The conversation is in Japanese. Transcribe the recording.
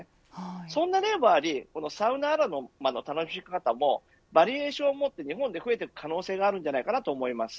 そんな面もありサウナアロマの楽しみ方もバリエーションを持って日本で増えていく可能性があるんではないかなと思います。